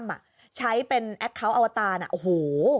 ฝ่ายชายเป็นแอ็กเคาน์อวตารโอ้โห